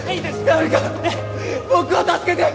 誰か僕を助けて！